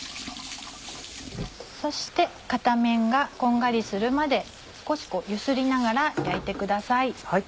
そして片面がこんがりするまで少し揺すりながら焼いてください。